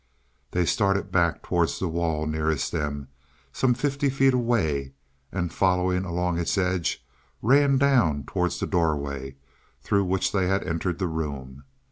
They started back towards the wall nearest them some fifty feet away and following along its edge, ran down towards the doorway through which they had entered the room.